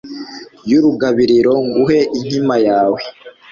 y'urugambiriro nguhe inkima yawe